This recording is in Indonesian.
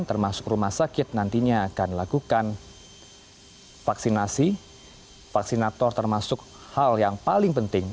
termasuk rumah sakit nantinya akan dilakukan vaksinasi vaksinator termasuk hal yang paling penting